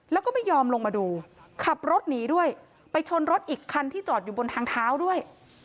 แล้วก็ไม่ยอมลงมาดูขับรถหนีด้วยไปชนรถอีกคันที่จอดอยู่บนทางเท้าด้วย